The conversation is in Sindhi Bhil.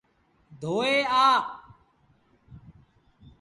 ڌوئي آ۔